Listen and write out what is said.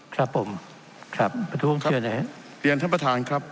ครับผมคือเรียนท่านประธานครับ